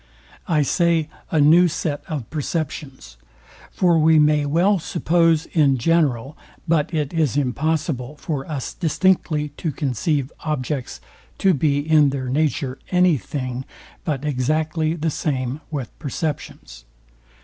I say, a new set of perceptions: For we may well suppose in general, but it is impossible for us distinctly to conceive, objects to be in their nature any thing but exactly the same with perceptions.